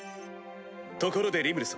ところでリムル様。